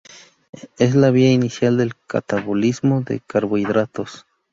Es la vía inicial del catabolismo de carbohidratos.